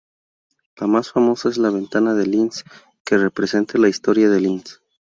La más famosa es la ventana de Linz, que representa la historia de Linz.